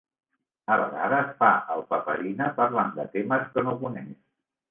A vegades fa el paperina parlant de temes que no coneix.